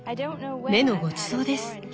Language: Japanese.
目のごちそうです。